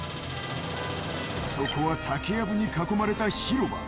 そこは竹やぶに囲まれた広場。